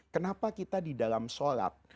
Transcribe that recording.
kenapa kita di dalam sholat